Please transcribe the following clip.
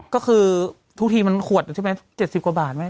ก็คือทุกทีมันขวดใช่ไหม๗๐กว่าบาทไหม